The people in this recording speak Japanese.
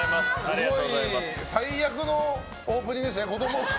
すごい最悪のオープニングでしたね。